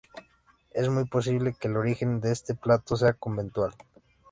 Es muy posible que el origen de este plato sea conventual.